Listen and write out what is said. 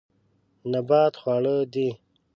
نبات خواړه دي.